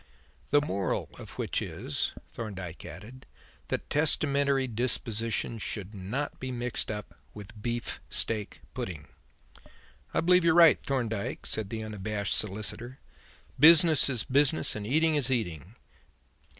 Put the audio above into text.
"The moral of which is," Thorndyke added, "that testamentary dispositions should not be mixed up with beef steak pudding." "I believe you're right, Thorndyke," said the unabashed solicitor. "Business is business and eating is eating.